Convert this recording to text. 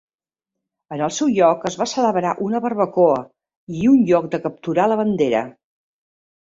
En el seu lloc es va celebrar una barbacoa i un lloc de capturar la bandera.